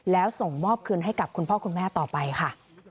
แล้วส่งมอบคืนให้กับคุณพ่อคุณแม่ต่อไปค่ะ